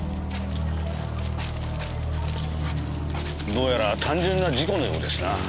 どうやら単純な事故のようですな。